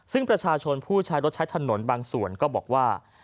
ซึ่งประชาชนผู้ใช้รถใช้ถนนบางส่วนก็บอกว่า